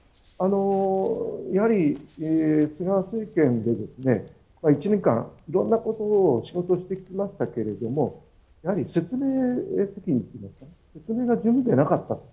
やはり菅政権で１年間いろんなことを仕事してきましたけども説明が十分ではなかったと。